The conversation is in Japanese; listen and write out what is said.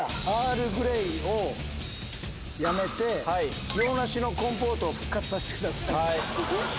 アール・グレイをやめて、洋梨のコンポートを復活させてください。